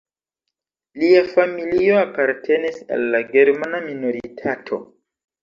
Lia familio apartenis al la germana minoritato.